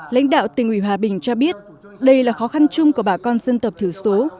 lãnh đạo tỉnh ủy hòa bình cho biết đây là khó khăn chung của bà con dân tập thiểu số